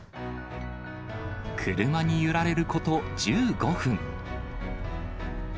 車に揺られること１５分。